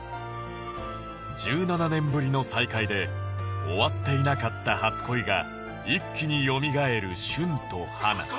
１７年ぶりの再会で終わっていなかった初恋が一気に蘇る舜と花